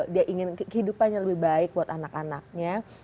dia ingin kehidupannya lebih baik buat anak anaknya